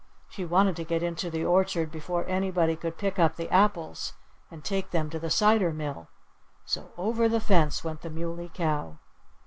She wanted to get into the orchard before anybody could pick up the apples and take them to the cider mill. So over the fence went the Muley Cow.